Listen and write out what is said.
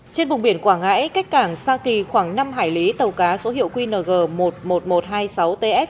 trên vùng biển quảng ngãi cách cảng sa kỳ khoảng năm hải lý tàu cá số hiệu qng một mươi một nghìn một trăm hai mươi sáu ts